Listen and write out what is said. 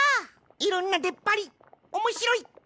いろんなでっぱりおもしろい！